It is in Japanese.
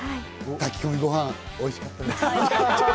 炊き込みご飯、おいしかったです。